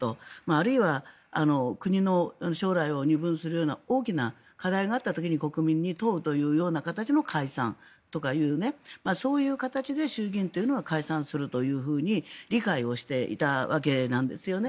あるいは国の将来を二分するような大きな課題があった時に国民に問うという形の解散そういう形で衆議院というのは解散するというふうに理解していたわけなんですよね。